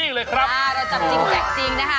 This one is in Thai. อ่าเราจะจับจริงแจกจริงนะครับ